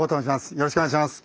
よろしくお願いします。